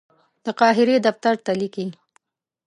د قاهرې دفتر ته لیکي.